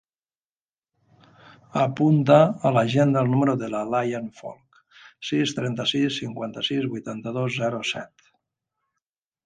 Apunta a l'agenda el número de la Layan Folch: sis, trenta-sis, cinquanta-sis, vuitanta-dos, zero, set.